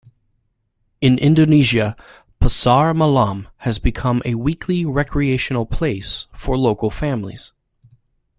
In Indonesia, pasar malam has become a weekly recreational place for local families.